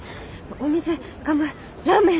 お水ガムラーメン。